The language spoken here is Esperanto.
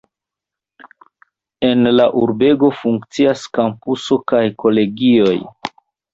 En la urbego funkcias kampuso kaj kolegioj.